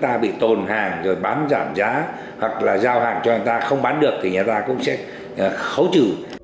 ta bị tồn hàng rồi bán giảm giá hoặc là giao hàng cho người ta không bán được thì người ta cũng sẽ khấu trừ